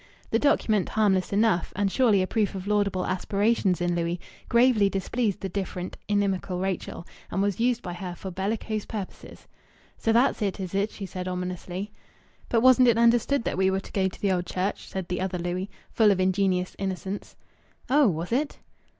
This document, harmless enough, and surely a proof of laudable aspirations in Louis, gravely displeased the different, inimical Rachel, and was used by her for bellicose purposes. "So that's it, is it?" she said ominously. "But wasn't it understood that we were to go to the Old Church?" said the other Louis, full of ingenious innocence. "Oh! Was it?"